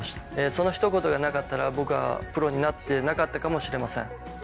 そのひと言がなかったら僕はプロになってなかったかもしれません。